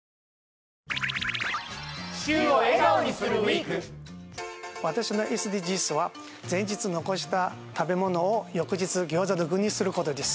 ＪＴ私のＳＤＧｓは前日残した食べ物を翌日餃子の具にすることです